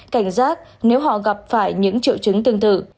cảnh giác nếu họ gặp phải những triệu chứng tương tự